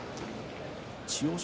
千代翔